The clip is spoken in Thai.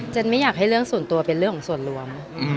ไม่อยากให้เรื่องส่วนตัวเป็นเรื่องของส่วนรวม